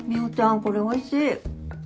これおいしい。